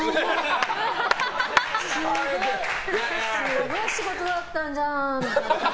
すごい仕事だったんじゃんみたいな。